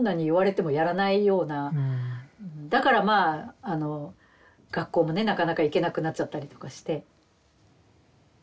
だからまああの学校もねなかなか行けなくなっちゃったりとかして。